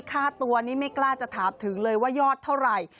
ค่าตัวนี้ไม่กล้าจะถามถึงเลยว่ายอดเท่าไหร่